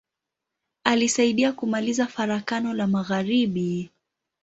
Alisaidia kumaliza Farakano la magharibi.